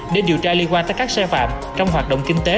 nên điều tra liên quan tới các xe phạm trong hoạt động kinh tế